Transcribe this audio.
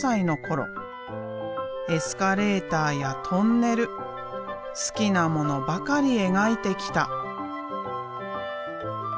エスカレーターやトンネル好きなものばかり描いてきた。